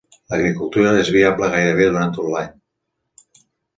L'agricultura és viable gairebé durant tot l'any.